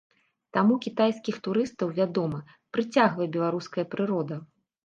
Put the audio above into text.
Таму кітайскіх турыстаў, вядома, прыцягвае беларуская прырода.